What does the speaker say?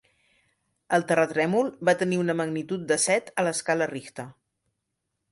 El terratrèmol va tenir una magnitud de set a l'escala Richter.